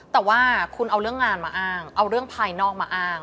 แต่ว่าคุณเอาเรื่องงานมาอ้างเอาเรื่องภายนอกมาอ้าง